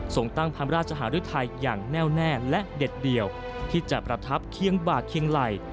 ทรงตั้งพาลภราชหารศิษย์ไทยอย่างแน่วแน่นและเด็ดเดียวที่จะประทับเคียงบากเคียงไหล่